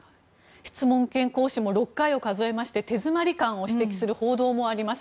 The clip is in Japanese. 質問権行使も６回やって手詰まり感を指摘する報道もあります。